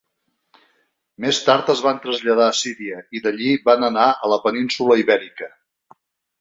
Més tard es van traslladar a Síria i d'allí van anar a la península Ibèrica.